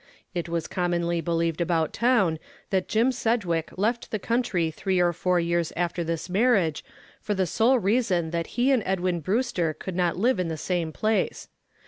It was commonly believed about town that Jim Sedgwick left the country three or four years after this marriage for the sole reason that he and Edwin Brewster could not live in the same place.